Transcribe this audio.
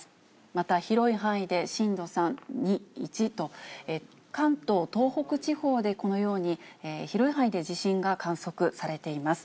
また、広い範囲で震度３、２、１と、関東、東北地方でこのように広い範囲で地震が観測されています。